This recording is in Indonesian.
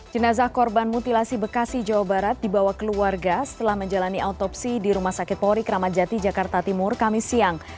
jenazah korban mutilasi bekasi jawa barat dibawa keluarga setelah menjalani autopsi di rumah sakit polri kramat jati jakarta timur kamis siang